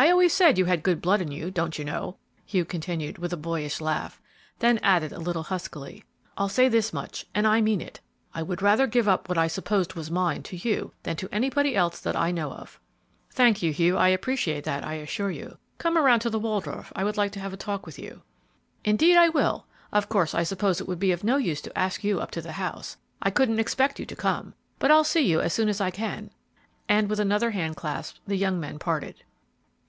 I always said you had good blood in you, don't you know," Hugh continued, with a boyish laugh, then added, a little huskily, "I'll say this much, and I mean it. I would rather give up what I supposed was mine to you than to anybody else that know of." "Thank you, Hugh; I appreciate that, I assure you. Come around to the Waldorf, I would like to have a talk with you." "Indeed I will. Of course, I suppose it would be of no use to ask you up to the house; I couldn't expect you to come, but I'll see you as soon as I can," and with another handclasp the young men parted.